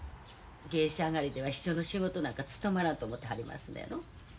芸者上がりでは秘書の仕事なんか務まらんと思うてはりますのやろ？